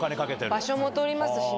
場所も取りますしね。